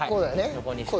横にして。